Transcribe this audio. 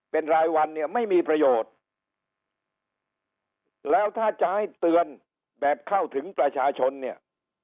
เป็นรายวันเนี่ยไม่มีประโยชน์แล้วถ้าจะให้เตือนแบบเข้าถึงประชาชนเนี่ย